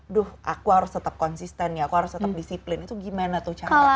aduh aku harus tetap konsisten ya aku harus tetap disiplin itu gimana tuh caranya